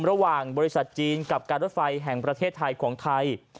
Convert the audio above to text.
บริษัทจีนกับการรถไฟแห่งประเทศไทยของไทย